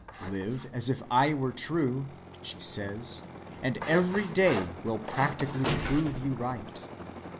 Live as if I were true, she says, and every day will practically prove you right.